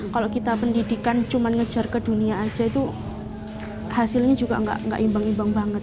kalau kita pendidikan cuma ngejar ke dunia aja itu hasilnya juga nggak imbang imbang banget